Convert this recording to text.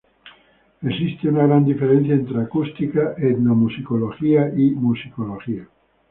Existe una gran diferencia entre acústica, etnomusicología y musicología.